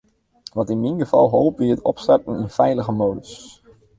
Wat yn myn gefal holp, wie it opstarten yn feilige modus.